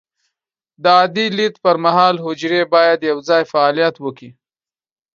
د عادي لید پر مهال، حجرې باید یوځای فعالیت وکړي.